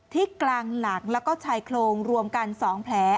กลางหลังแล้วก็ชายโครงรวมกัน๒แผล